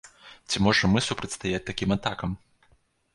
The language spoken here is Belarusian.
Ці можам мы супрацьстаяць такім атакам?